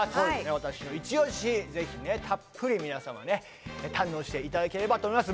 私のイチオシ、ぜひたっぷり皆様ね、堪能していただければと思います。